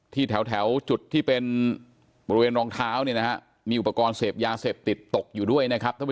ที่แถวจุดที่เป็นบริเวณรองเท้ามีอุปกรณ์เสพยาเสพติดตกอยู่ด้วย